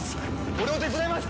俺も手伝います！